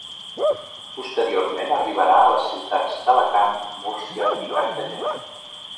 Posteriorment arribarà a les ciutats d'Alacant, Múrcia i Cartagena.